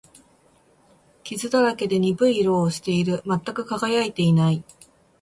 傷だらけで、鈍い色をしている。全く輝いていない。